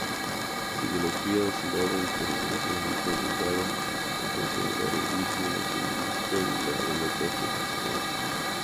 Su ideología oscilaba entre el nacionalismo húngaro, el conservadurismo nacionalista y la democracia cristiana.